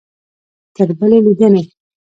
تر بلې لیدنې؟